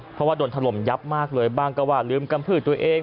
เพราะว่าโดนถล่มยับมากเลยบ้างก็ว่าลืมกำพืชตัวเอง